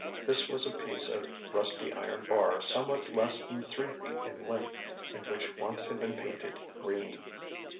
This was a piece of rusty iron bar somewhat less than three feet in length, and which once had been painted green.